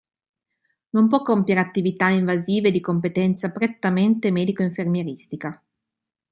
Non può compiere attività invasive di competenza prettamente medico-infermieristica.